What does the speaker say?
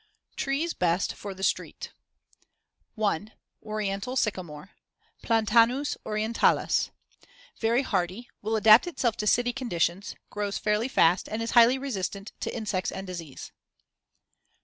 TREES BEST FOR THE STREET 1. Oriental sycamore (Platanus orientalis) Very hardy; will adapt itself to city conditions; grows fairly fast and is highly resistant to insects and disease.